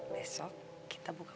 besok kita buka buah